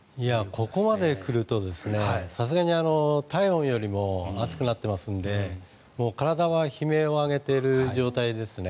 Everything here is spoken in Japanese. ここまで来るとさすがに体温よりも暑くなっていますので体は悲鳴を上げている状態ですね。